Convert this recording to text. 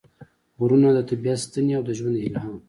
غرونه – د طبیعت ستنې او د ژوند الهام